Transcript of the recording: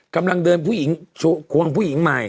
กำลังครวงภาพอีอิงใหม่